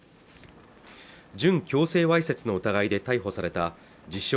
準強制わいせつの疑いで逮捕された自称